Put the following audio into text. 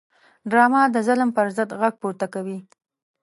ډرامه د ظلم پر ضد غږ پورته کوي